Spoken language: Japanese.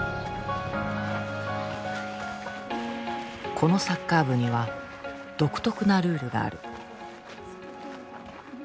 このサッカー部には独特なルールがある。